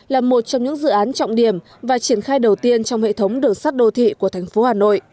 là một trong những dự án trọng điểm và triển khai đầu tiên trong hệ thống đường sắt đô thị của thành phố hà nội